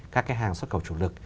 các hàng xuất khẩu chủ lực